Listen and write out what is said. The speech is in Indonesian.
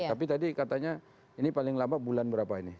tapi tadi katanya ini paling lama bulan berapa ini